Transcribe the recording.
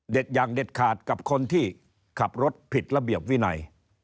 อย่างเด็ดขาดกับคนที่ขับรถผิดระเบียบวินัย